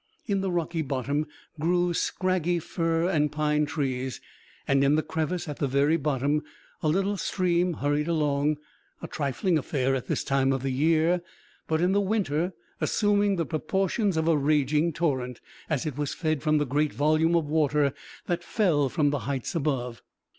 In the rocky bottom grew scraggy fir and pine trees and in the crevice at the very bottom, a little stream hurried along, a trifling affair at this time of the year, but in the winter assuming the proportions of a raging torrent, as it was fed from the great volume of water that fell from the heights above.